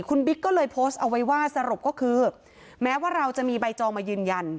คุณบิ๊กก็เลยโพสต์เอาไว้ว่าสรุปก็คือแม้ว่าเราจะมีใบจองมายืนยัน